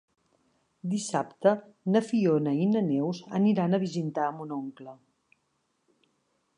Dissabte na Fiona i na Neus aniran a visitar mon oncle.